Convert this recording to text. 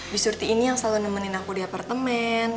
bisurti ini yang selalu nemenin aku di apartemen